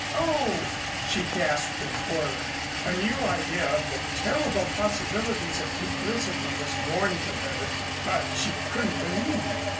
"Oh!" she gasped in horror. A new idea of the terrible possibilities of duplicity was borne to her. But she couldn't believe.